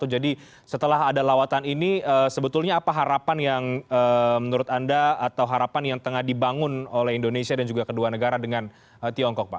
jadi setelah ada lawatan ini sebetulnya apa harapan yang menurut anda atau harapan yang tengah dibangun oleh indonesia dan juga kedua negara dengan tiongkok pak